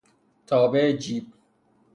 تابع جیب